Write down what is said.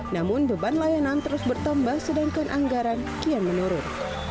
namun beban layanan terus bertambah sedangkan anggaran kian menurun